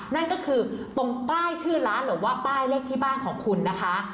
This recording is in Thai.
นั่นก็คือตรงป้ายชื่อร้านหรือว่าป้ายเลขที่บ้านของคุณนะคะ